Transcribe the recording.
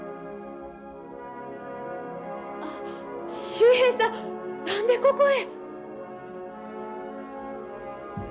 あ秀平さん何でここへ？